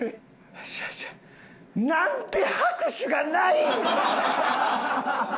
なんで拍手がないん！？